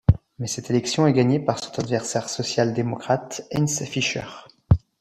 Mais cette élection est gagnée par son adversaire social-démocrate Heinz Fischer.